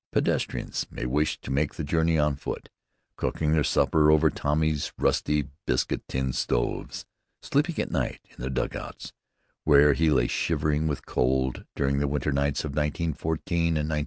Pedestrians may wish to make the journey on foot, cooking their supper over Tommy's rusty biscuit tin stoves, sleeping at night in the dugouts where he lay shivering with cold during the winter nights of 1914 and 1915.